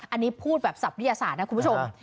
อันนี้พูดแบบศัพท์วิทยาศาสตร์นะคุณผู้ชม